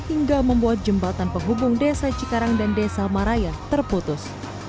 hingga membuat jembatan penghubung desa cikarang dan desa maraya terputus